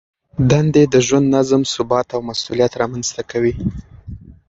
دندې د ژوند نظم، ثبات او مسؤلیت رامنځته کوي.